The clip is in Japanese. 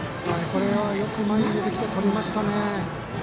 これは、よく前に出てきてとりましたね。